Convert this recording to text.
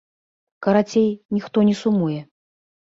Карацей, ніхто не сумуе.